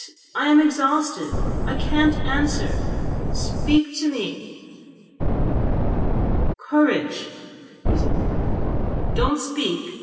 I am exhausted! I can't answer. Speak to me!" .... "Courage," resumed my uncle. "Don't speak.